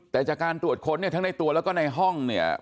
แต่จากการตรวจค้นเนี่ยทั้งในตัวแล้วก็ในห้องเนี่ย